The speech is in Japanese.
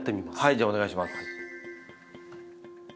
じゃあお願いします。